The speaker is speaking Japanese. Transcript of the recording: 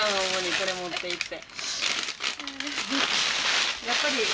これ持っていって。